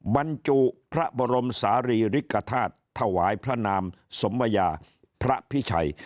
บรรจุพระบรมศาลีริกฐาตุถวายพระนามสมวัยยาพระพิชัย